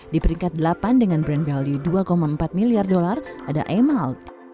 di peringkat delapan dengan brand value dua empat miliar dolar ada amal